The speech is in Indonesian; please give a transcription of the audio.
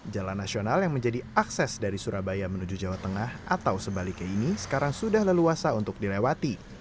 jalan nasional yang menjadi akses dari surabaya menuju jawa tengah atau sebaliknya ini sekarang sudah leluasa untuk dilewati